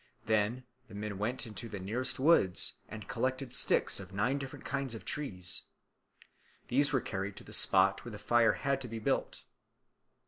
Then the men went into the nearest woods, and collected sticks of nine different kinds of trees. These were carried to the spot where the fire had to be built.